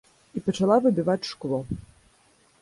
І пачала выбіваць шкло.